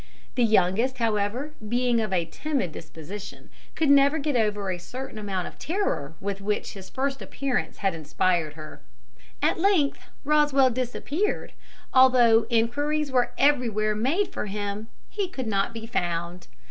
The youngest, however, being of a timid disposition, could never get over a certain amount of terror with which his first appearance had inspired her. At length Rosswell disappeared. Although inquiries were everywhere made for him he could not be found.